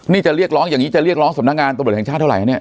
นี่จะเรียกร้องอย่างนี้จะเรียกร้องสำนักงานตำรวจแห่งชาติเท่าไหร่เนี่ย